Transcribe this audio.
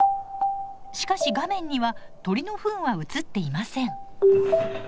しかし画面には鳥のふんは映っていません。